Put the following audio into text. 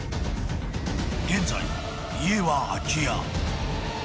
［現在家は空き家］